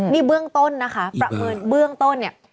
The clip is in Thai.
นี่เบื้องต้นนะคะประเมินเบื้องต้นเนี่ย